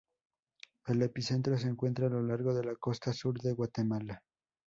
El epicentro se encontró a lo largo de la costa sur de Guatemala.